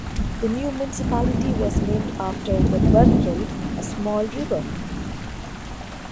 The new municipality was named after the Berkel, a small river.